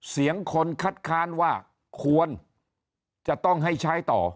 เสียงคนคัดค้านว่าควรจะต้องให้ใช้ต่อ